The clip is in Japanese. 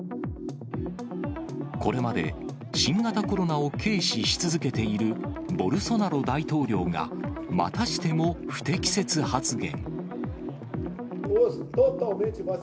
これまで新型コロナを軽視し続けているボルソナロ大統領が、またしても不適切発言。